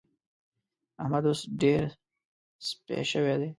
احمد اوس ډېر سپي شوی دی.